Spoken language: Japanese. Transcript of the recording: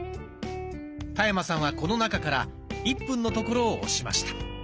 田山さんはこの中から１分のところを押しました。